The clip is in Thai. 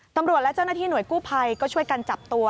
ตำรวจและเจ้าหน้าที่หน่วยกู้ภัยก็ช่วยกันจับตัว